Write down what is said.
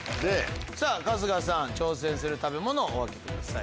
さぁ春日さん挑戦する食べ物お開けください。